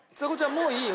もういいよ